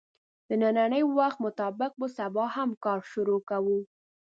د نني وخت مطابق به سبا هم کار شروع کوو